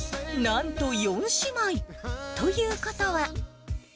なんと、四姉妹。ということは。